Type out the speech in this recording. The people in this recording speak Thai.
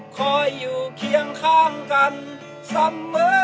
คอยอยู่เคียงข้างกันเสมอ